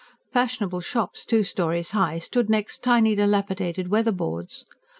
Fashionable shops, two storeys high, stood next tiny, dilapidated weatherboards.